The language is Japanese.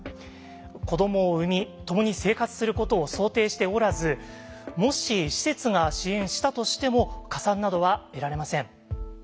子どもを産み共に生活することを想定しておらずもし施設が支援したとしても加算などは得られません。